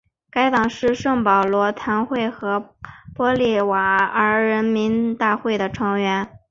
该党是圣保罗论坛和玻利瓦尔人民大会的成员。